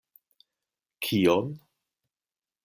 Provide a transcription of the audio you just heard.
Kion?